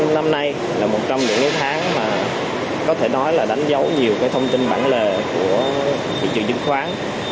năm nay là một trong những tháng mà có thể nói là đánh dấu nhiều thông tin bản lề của thị trường chứng khoán